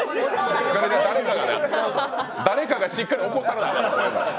誰かがしっかり怒ったらなあかん。